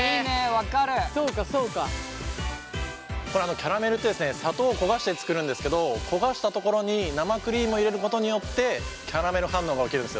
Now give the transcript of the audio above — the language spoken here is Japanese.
キャラメルって砂糖を焦がして作るんですけど焦がしたところに生クリームを入れることによってキャラメル反応が起きるんですよ。